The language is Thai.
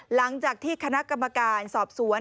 หลังจากที่คณะกรรมการสอบสวน